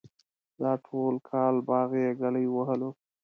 د ټول کال باغ یې گلی ووهلو.